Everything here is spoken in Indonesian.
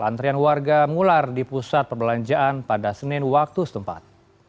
antrian warga mengular di pusat perbelanjaan pada senin waktu setempat